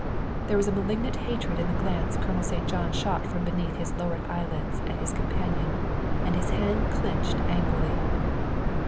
There was malignant hatred in the glance Colonel St. John shot from beneath his lowered eyelids at his com panion, and his hand clinched angrily.